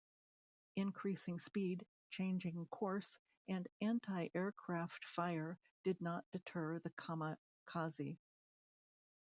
Increasing speed, changing course, and antiaircraft fire did not deter the "kamikaze".